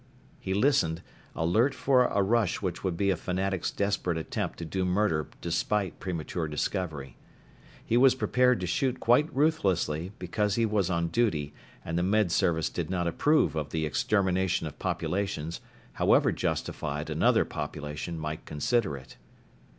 He listened, alert for a rush which would be a fanatic's desperate attempt to do murder despite premature discovery. He was prepared to shoot quite ruthlessly, because he was on duty and the Med Service did not approve of the extermination of populations, however justified another population might consider it.